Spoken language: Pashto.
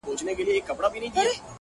راته شله دی” وای گيتا سره خبرې وکړه”